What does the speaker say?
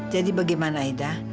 jadi bagaimana aida